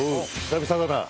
久々だな。